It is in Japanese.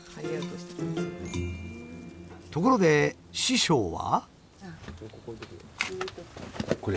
ところで師匠は？